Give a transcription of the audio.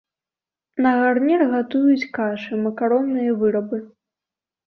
На гарнір гатуюць кашы, макаронныя вырабы.